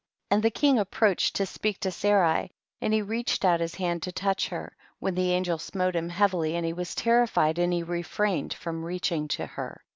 And the king approached tO' speak to Sarai, and he reached out his hand to touch her, when the an gel smote him heavily, and he was terrified and he refrained from reach ing to her.